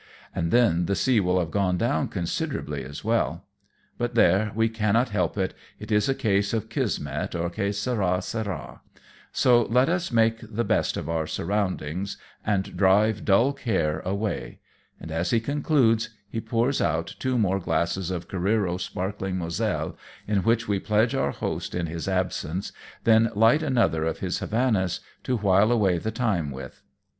And then the sea will have gone down considerably as well ; but there, we cannot help it, it is a case of Kismet, or Che sara, sara ; so let us make the best of our surroundings, and drive dull care away," and as he concludes, he poiirs out two more glasses of Careero's sparkling Moselle, in which we pledge our host in his absence, then light another of his Havanas, to while away the time with.